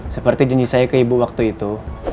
seperti jenis saya ke ibu waktu itu